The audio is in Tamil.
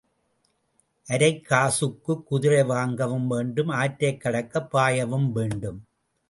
அரைக் காசுக்குக் குதிரை வாங்கவும் வேண்டும் ஆற்றைக் கடக்கப் பாயவும் வேண்டும்.